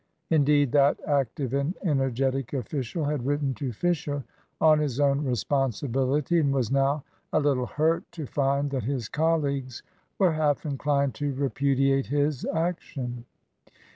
Indeed, that active and energetic official had written to Fisher on his own responsibility, and was now a little hurt to find that his colleagues were half inclined to repudiate his action.